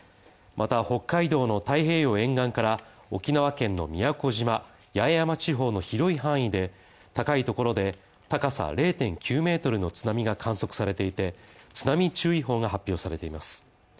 また北海道の太平洋沿岸から沖縄県の宮古島八重山地方の広い範囲で高いところで、高さ０．９ｍの津波が観測されていて、津波注意報が発表されています。